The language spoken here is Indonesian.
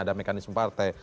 ada mekanisme partai